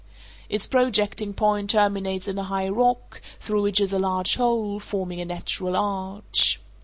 Its projecting point terminates in a high rock, through which is a large hole, forming a natural arch.